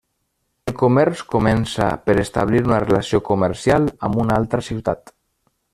El comerç comença per establir una relació comercial amb una altra ciutat.